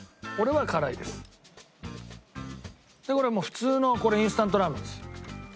でこれはもう普通のインスタントラーメンです。